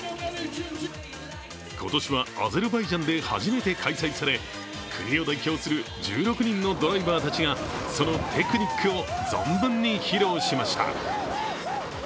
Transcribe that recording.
今年はアゼルバイジャンで初めて開催され、国を代表する１６人のドライバーたちがそのテクニックを存分に披露しました。